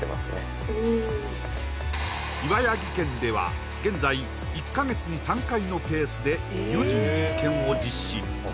岩谷技研では現在１か月に３回のペースで有人実験を実施